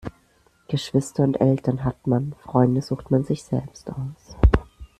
Geschwister und Eltern hat man, Freunde sucht man sich selbst aus.